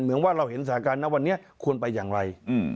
เหมือนว่าเราเห็นสถานการณ์นะวันนี้ควรไปอย่างไร